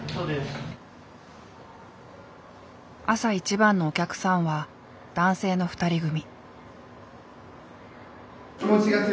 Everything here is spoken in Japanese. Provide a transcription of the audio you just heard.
朝一番のお客さんは男性の２人組。